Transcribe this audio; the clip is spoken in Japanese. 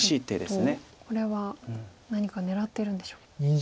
結構これは何か狙ってるんでしょうか。